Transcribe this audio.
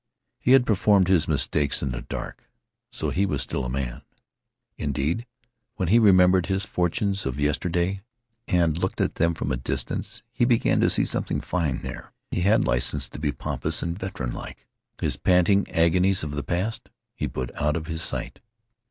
He had performed his mistakes in the dark, so he was still a man. Indeed, when he remembered his fortunes of yesterday, and looked at them from a distance he began to see something fine there. He had license to be pompous and veteranlike. His panting agonies of the past he put out of his sight.